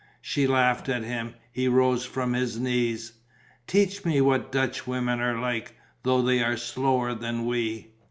She laughed at him. He rose from his knees: "Teach me what Dutchwomen are like, though they are slower than we."